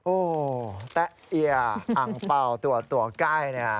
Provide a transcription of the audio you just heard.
โอ้แตะเอียอังเปล่าตัวใกล้นะฮะ